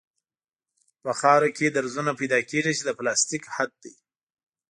په خاوره کې درزونه پیدا کیږي چې د پلاستیک حد دی